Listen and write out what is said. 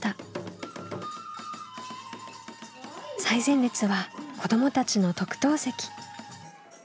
最前列は子どもたちの特等席。